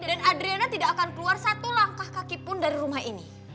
dan adriana tidak akan keluar satu langkah kaki pun dari rumah ini